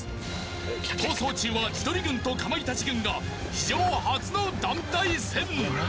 逃走中は千鳥軍とかまいたち軍が史上初の団体戦。